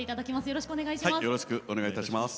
よろしくお願いします。